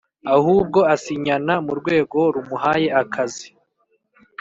ahubwo asinyana nu rwego rumuhaye akazi